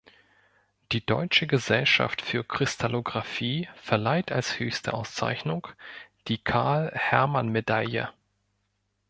Die Deutsche Gesellschaft für Kristallographie verleiht als höchste Auszeichnung die Carl-Hermann-Medaille.